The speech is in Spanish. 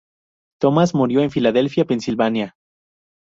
Thomas murió en Filadelfia, Pensilvania.